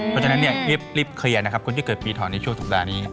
เพราะฉะนั้นเรียบเคลียร์คนที่เกิดปีถอดในช่วงสัปดาห์นี้